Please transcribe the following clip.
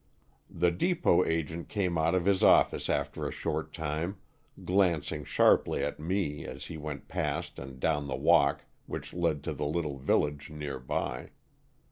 "The depot agent came out of his office after a short time, glancing sharply at me as he went past and down the walk which led to the little village near by.